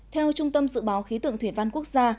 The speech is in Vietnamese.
theo trung tâm dự báo khí tượng thủy văn quốc gia